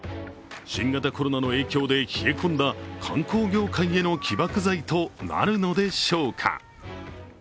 新型コロナの影響で冷え込んだ観光業界への起爆剤となるのでしょうか。